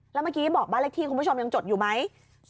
แล้วเมื่อกี้บอกบ้านเลขที่คุณผู้ชมยังจดอยู่ไหม